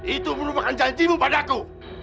itu merupakan janjimu padaku